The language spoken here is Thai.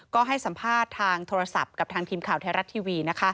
ก็ให้สัมภาษณ์ทางโทรศัพท์กับทางทีมข่าวไทยรัฐทีวี